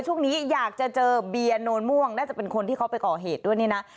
ช่วงนี้อยากจะเจอเบียร์โนนม่วงน่าจะเป็นคนที่เขาไปก่อเหตุด้วยนี่นะ